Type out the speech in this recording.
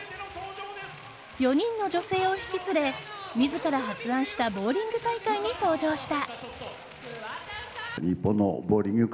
４人の女性を引き連れ自ら発案したボウリング大会に登場した。